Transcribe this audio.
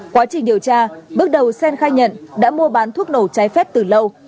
quá trình điều tra bước đầu sen khai nhận đã mua bán thuốc nổ trái phép từ lâu